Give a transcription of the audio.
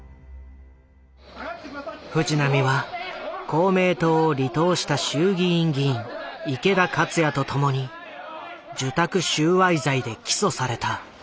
藤波は公明党を離党した衆議院議員池田克也と共に受託収賄罪で起訴された。